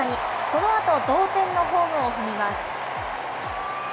このあと同点のホームを踏みます。